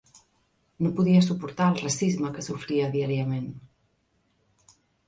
No podia suportar el racisme que sofria diàriament.